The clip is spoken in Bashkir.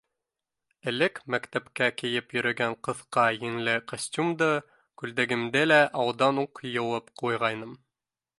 Элек мәктәпкә кейеп йөрөгән ҡыҫҡа еңле костюмды, күлдәгемде лә алдан уҡ йыуып ҡуйғайным.